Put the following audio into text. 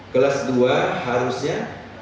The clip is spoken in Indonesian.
kelas dua harusnya